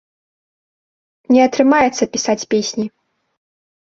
Не атрымаецца пісаць песні.